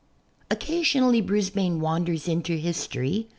Occasionally Brisbane wanders into history.